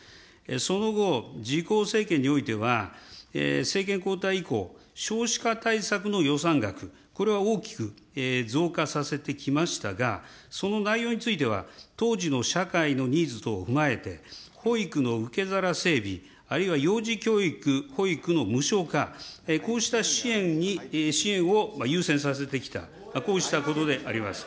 その後、自公政権においては、政権交代以降、少子化対策の予算額、これは大きく増加させてきましたが、その内容については、当時の社会のニーズ等を踏まえて、保育の受け皿整備、あるいは幼児教育、保育の無償化、こうした支援に、支援を優先させてきた、こうしたことであります。